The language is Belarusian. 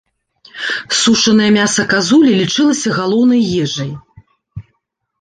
Сушанае мяса казулі лічылася галоўнай ежай.